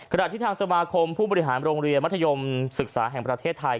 ขณะที่ทางสมาคมผู้บริหารโรงเรียนมัธยมศึกษาแห่งประเทศไทย